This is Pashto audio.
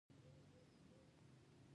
زه لیک تمرین کوم.